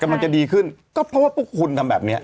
มันจะดีขึ้นก็เพราะว่าพวกคุณทำแบบเนี้ย